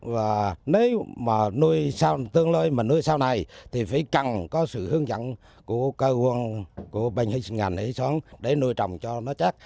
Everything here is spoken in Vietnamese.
và nếu mà nuôi sau tương lai mình nuôi sau này thì phải cần có sự hướng dẫn của cơ quan của bệnh nhân hệ soán để nuôi trồng cho nó chắc